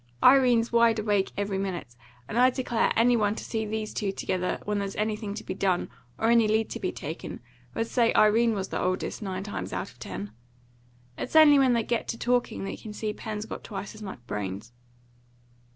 Irene's wide awake every minute; and I declare, any one to see these two together when there's anything to be done, or any lead to be taken, would say Irene was the oldest, nine times out of ten. It's only when they get to talking that you can see Pen's got twice as much brains."